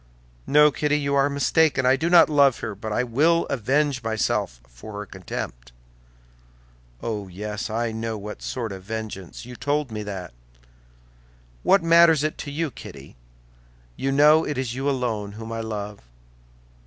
"No, Kitty, you are mistaken. I do not love her, but I will avenge myself for her contempt." "Oh, yes, I know what sort of vengeance! You told me that!" "What matters it to you, Kitty? You know it is you alone whom I love."